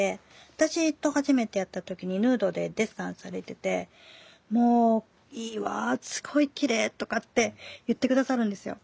私と初めて会った時にヌードでデッサンされててもう「いいわすごいきれい」とかって言って下さるんですよ。